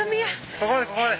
・ここまでここまで。